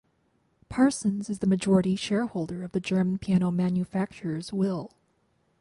Parsons is the majority shareholder of the German piano manufacturers Wilh.